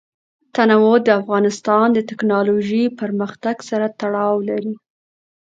تنوع د افغانستان د تکنالوژۍ پرمختګ سره تړاو لري.